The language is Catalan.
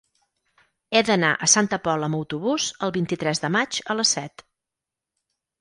He d'anar a Santa Pola amb autobús el vint-i-tres de maig a les set.